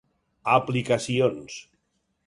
Aplicacions: